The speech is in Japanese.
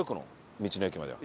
道の駅までは。